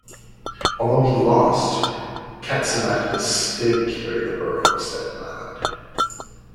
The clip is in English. Although he lost, Catsimatidis did carry the borough of Staten Island.